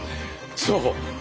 そう！